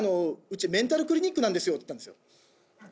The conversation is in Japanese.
「うちメンタルクリニックなんですよ」って言ったんですよ